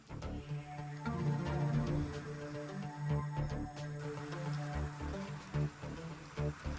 aduh kagak lupat lagi be